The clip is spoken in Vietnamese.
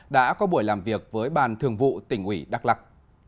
đã có buổi làm việc với ban thường vụ tỉnh ủy đắk lắc